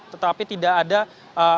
tetapi tidak ada rekening